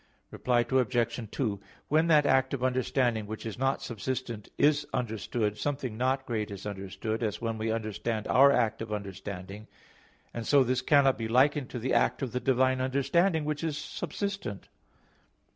Reply Obj. 2: When that act of understanding which is not subsistent is understood, something not great is understood; as when we understand our act of understanding; and so this cannot be likened to the act of the divine understanding which is subsistent.